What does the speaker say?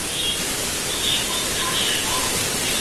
湖北沔阳人。